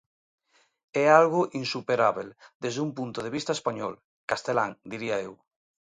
É algo insuperábel desde un punto de vista español, castelán diría eu.